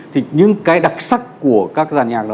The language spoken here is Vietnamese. thì những cái đặc sắc của các dàn nhạc đó